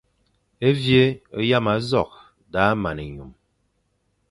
E mvi é yama nzokh daʼa man enyum.